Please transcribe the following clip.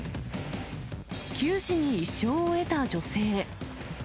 九死に一生を得た女性。